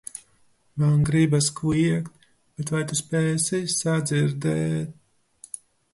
... man gribas kliegt, bet vai tu spēsi sadzirdēt...